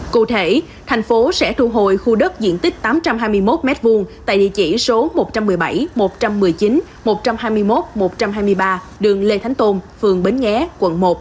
cụ thể thành phố sẽ thu hồi khu đất diện tích tám trăm hai mươi một m hai tại địa chỉ số một trăm một mươi bảy một trăm một mươi chín một trăm hai mươi một một trăm hai mươi ba đường lê thánh tôn phường bến nghé quận một